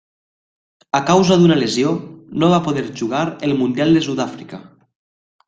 A causa d'una lesió no va poder jugar el Mundial de Sud-àfrica.